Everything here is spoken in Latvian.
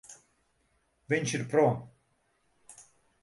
Viņš ir prom.